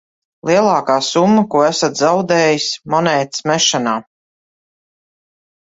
Lielākā summa, ko esat zaudējis monētas mešanā?